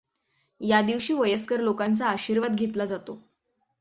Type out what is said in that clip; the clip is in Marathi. या दिवशी वयस्कर लोकांचा आशीर्वाद घेतला जातो.